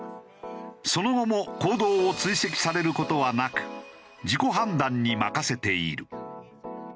その後も行動を追跡される事はなく自己判断に任せている。